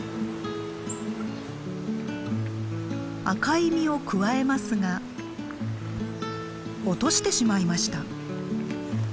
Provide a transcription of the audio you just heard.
赤い実をくわえますが落としてしまいました。